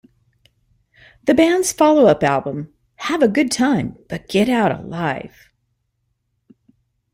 The band's follow-up album Have a Good Time but Get out Alive!